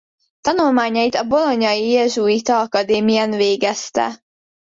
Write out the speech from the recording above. Tanulmányait a bolognai Jezsuita Akadémián végezte.